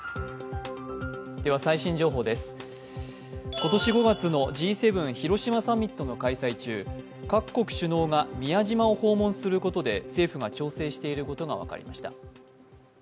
今年５月のＧ７広島サミットの開催中各国首脳が宮島を訪問することで政府が調整していることが分かりました。